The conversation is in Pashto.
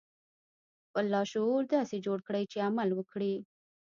خپل لاشعور داسې جوړ کړئ چې عمل وکړي